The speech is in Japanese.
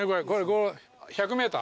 １００ｍ。